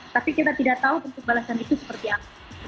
tapi kita tidak tahu bentuk balasan itu seperti apa